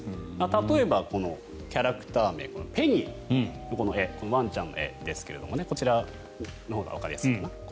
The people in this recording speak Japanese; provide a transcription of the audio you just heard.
例えば、キャラクター名「Ｐｅｎｎｙ」というワンちゃんの絵ですがこちらのほうがわかりやすいかな。